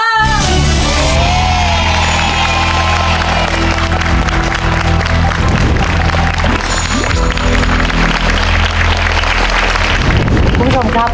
คุณผู้ชมครับ